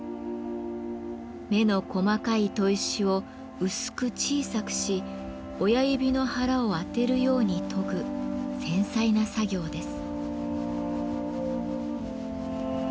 目の細かい砥石を薄く小さくし親指の腹を当てるように研ぐ繊細な作業です。